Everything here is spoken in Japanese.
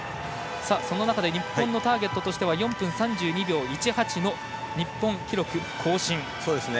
その中で日本のターゲットタイムとしては４分３２秒１８の日本記録更新。